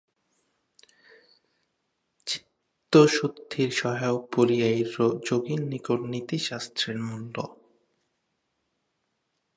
চিত্তশুদ্ধির সহায়ক বলিয়াই যোগীর নিকট নীতিশাস্ত্রের মূল্য।